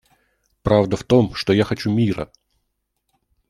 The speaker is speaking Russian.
Правда в том, что я хочу мира.